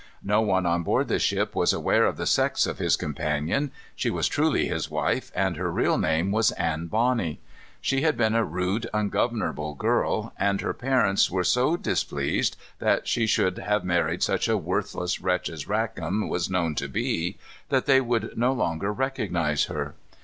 No one on board the ship was aware of the sex of his companion. She was truly his wife, and her real name was Anne Bonny. She had been a rude, ungovernable girl, and her parents were so displeased that she should have married such a worthless wretch as Rackam was known to be, that they would no longer recognize her.